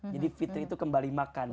jadi fitri itu kembali makan